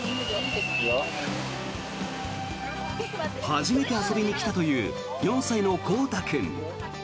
初めて遊びに来たという４歳の晃大君。